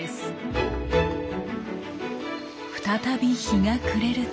再び日が暮れると。